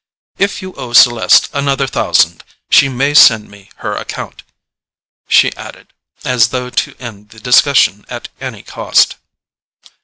"If you owe Celeste another thousand, she may send me her account," she added, as though to end the discussion at any cost.